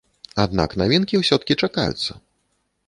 Аднак навінкі ўсё-ткі чакаюцца.